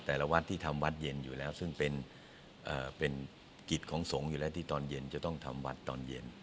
แต่ละวัดที่ทำวัดเย็นอยู่แล้วซึ่งเป็นกิจของสงฆ์อยู่แล้วที่ตอนเย็นจะต้องทำวัดตอนเย็น